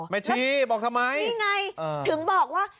ชีบอกทำไมนี่ไงถึงบอกว่า